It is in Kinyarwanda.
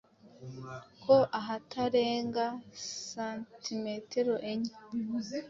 kari ahatarenga santimetero enye